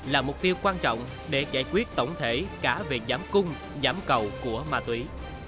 là mục tiêu quan trọng để giải quyết tổng thể cả về giảm cung giảm cầu của ma túy